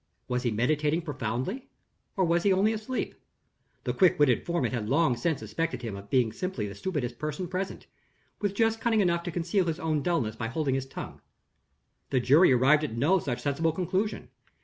Was he meditating profoundly? or was he only asleep? The quick witted foreman had long since suspected him of being simply the stupidest person present with just cunning enough to conceal his own dullness by holding his tongue. The jury arrived at no such sensible conclusion.